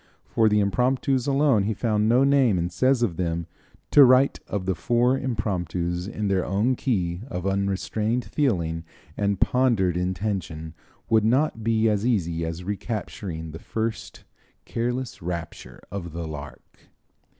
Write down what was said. For the impromptus alone he has found no name and says of them: "To write of the four impromptus in their own key of unrestrained feeling and pondered intention would not be as easy as recapturing the first 'careless rapture of the lark.'"